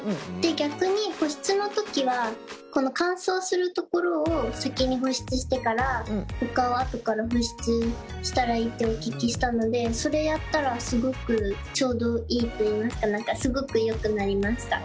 逆に保湿の時はこの乾燥する所を先に保湿してからほかはあとから保湿したらいいってお聞きしたのでそれやったらすごくちょうどいいといいますかすごくよくなりました。